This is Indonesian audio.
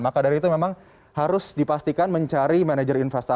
maka dari itu memang harus dipastikan mencari manajer investasi